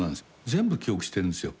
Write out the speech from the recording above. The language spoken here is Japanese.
全部記憶してるんですよ。